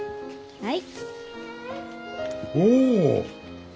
はい。